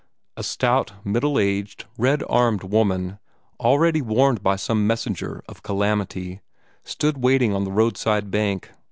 A stout, middle aged, red armed woman, already warned by some messenger of calamity, stood waiting on the roadside bank.